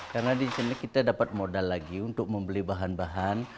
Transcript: karena di sini kita dapat modal lagi untuk membeli bahan bahan